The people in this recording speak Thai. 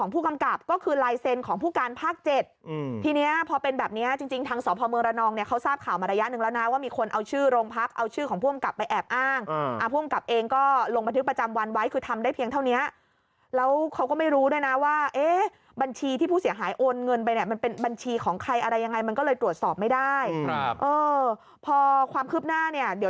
ผู้กำกับก็คือลายเซนของผู้การภาค๗ทีเนี้ยพอเป็นแบบเนี้ยจริงจริงทางสอบภาวเมืองระนองเนี้ยเขาทราบข่าวมาระยะหนึ่งแล้วนะว่ามีคนเอาชื่อโรงพักเอาชื่อของผู้กำกับไปแอบอ้างอ่าผู้กำกับเองก็ลงบันทึกประจำวันไว้คือทำได้เพียงเท่านี้แล้วเขาก็ไม่รู้ด้วยนะว่าเอ๊ะบัญชีที่ผู้เสียหายโอนเ